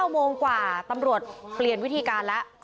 โมงกว่าตำรวจเปลี่ยนวิธีการแล้ว